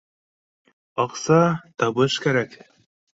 Аҡса, табыш кәрәк